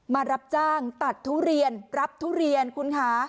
มารับจ้างตัดทุเรียนรับทุเรียนคุณคะ